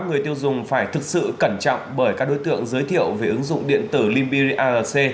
người tiêu dùng phải thực sự cẩn trọng bởi các đối tượng giới thiệu về ứng dụng điện tử limbir arc